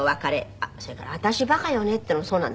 あっそれから「私バカよね」っていうのもそうなんですって？